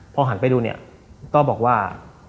พอหันไปดูเนี่ยก็บอกว่า